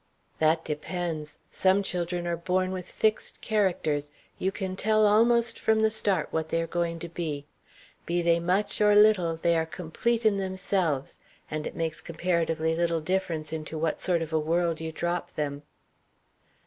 "That depends. Some children are born with fixed characters: you can tell almost from the start what they are going to be. Be they much or little, they are complete in themselves, and it makes comparatively little difference into what sort of a world you drop them."